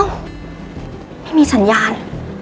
อ้าวไม่มีสัญญาณ